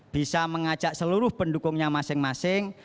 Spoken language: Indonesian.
bisa mengajak seluruh pendukungnya masing masing